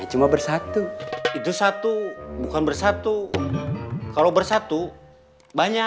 saya akan cari pengering istri saja untuk menanda ke misek saya